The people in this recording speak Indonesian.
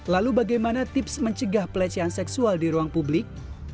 lalu bagaimana tips mencegah pelecehan seksual di ruang publik